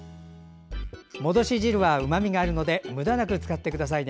戻し汁はうまみがあるのでむだなく使ってくださいね。